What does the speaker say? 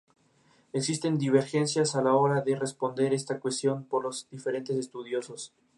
Existen divergencias a la hora de responder esta cuestión por los diferentes estudiosos.